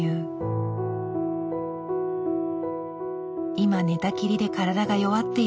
今寝たきりで体が弱っている母。